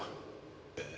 「ええ。